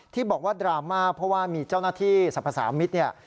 ที่บอกว่าดราม่าเพราะว่ามีเจ้าหน้าที่สรรพสามิตรเนี่ย